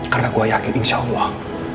karena gue yakin insya allah